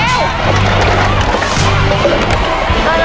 ช่อง